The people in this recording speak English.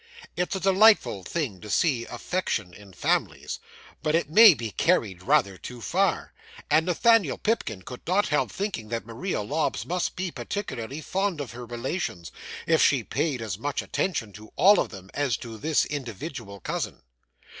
It's a delightful thing to see affection in families, but it may be carried rather too far, and Nathaniel Pipkin could not help thinking that Maria Lobbs must be very particularly fond of her relations, if she paid as much attention to all of them as to this individual cousin.